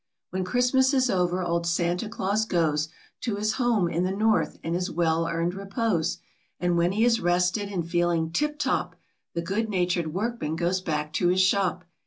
When Christmas is over old Santa Claus goes To his home in the North, and his well earned repose, And when he is rested and feel ing tip top, The good natured workman goes back to his shop.